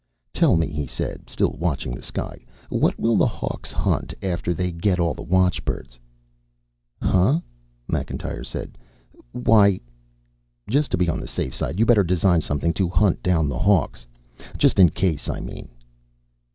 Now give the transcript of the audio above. "Tell me," he said, still watching the sky, "what will the Hawks hunt after they get all the watchbirds?" "Huh?" Macintyre said. "Why " "Just to be on the safe side, you'd better design something to hunt down the Hawks. Just in case, I mean."